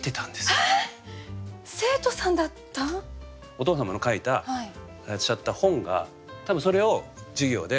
お父様の書いていらっしゃった本が多分それを授業で。